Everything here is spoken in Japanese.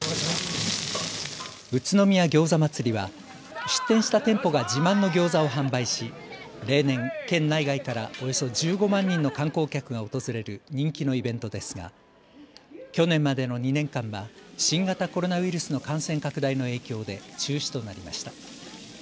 宇都宮餃子祭りは出店した店舗が自慢のギョーザを販売し例年、県内外からおよそ１５万人の観光客が訪れる人気のイベントですが去年までの２年間は新型コロナウイルスの感染拡大の影響で中止となりました。